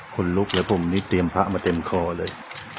คนลุกเลยผมนี่เตรียมพระมาเต็มคอเลย